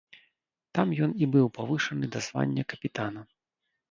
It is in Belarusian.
Там ён і быў павышаны да звання капітана.